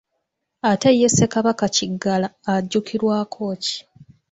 Ate ye Ssekabaka Kiggala ajjukirwako ki ?